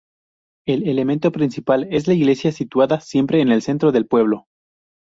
El elemento principal es la iglesia, situada siempre en el centro del pueblo.